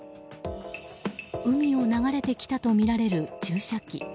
海を流れてきたとみられる注射器。